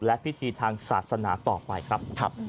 และพิธีทางศาสนาต่อไปครับ